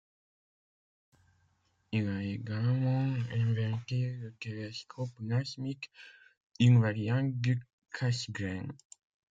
Il a également inventé le télescope Nasmyth, une variante du Cassegrain.